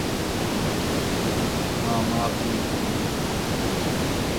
Mamafih…